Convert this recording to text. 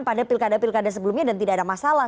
pada pilkada pilkada sebelumnya dan tidak ada masalah